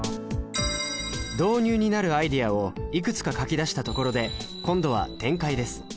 導入になるアイデアをいくつか書き出したところで今度は展開です。